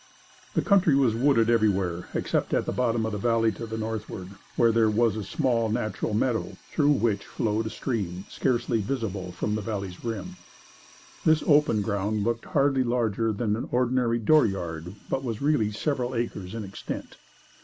The country was wooded everywhere except at the bottom of the valley to the northward, where there was a small natural meadow, through which flowed a stream scarcely visible from the valley's rim. This open ground looked hardly larger than an ordinary dooryard, but was really several acres in extent.